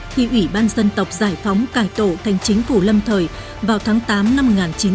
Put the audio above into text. khi ủy ban dân tộc giải phóng cải tổ thành chính phủ lâm thời vào tháng tám năm một nghìn chín trăm bảy mươi